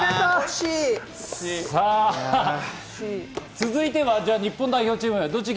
続いては日本代表チーム。